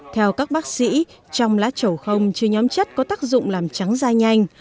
theo các bác sĩ trong lá chầu không chứa nhóm chất có tác dụng làm trắng da nhanh